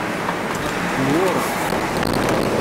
N wureɣ.